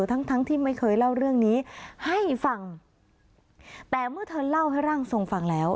ทั้งทั้งที่ไม่เคยเล่าเรื่องนี้ให้ฟังแต่เมื่อเธอเล่าให้ร่างทรงฟังแล้ว